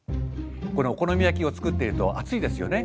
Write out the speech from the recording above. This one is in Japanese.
このお好み焼きを作っていると熱いですよね。